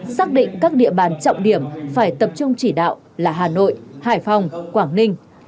xác định các địa bàn trọng điểm phải tập trung chỉ đạo là hà nội hải phòng quảng ninh